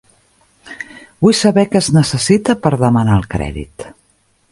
Vull saber què es necessita per demanar el crèdit.